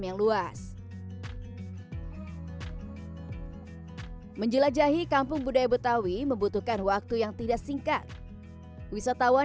yang luas menjelajahi kampung budaya betawi membutuhkan waktu yang tidak singkat wisatawan